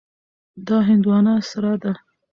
دا هندوانه سره ده.